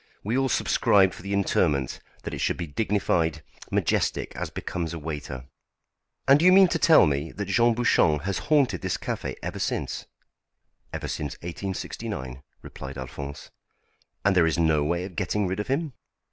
We all subscribed for the interment, that it should be dignified majestic as becomes a waiter." "And do you mean to tell me that Jean Bouchon has haunted this café ever since?" "Ever since 1869," replied Alphonse. "And there is no way of getting rid of him?"